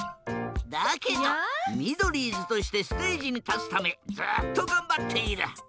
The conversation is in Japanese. だけどミドリーズとしてステージにたつためずっとがんばっている。